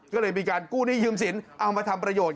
ก็เลยมีการกู้หนี้ยืมสินเอามาทำประโยชน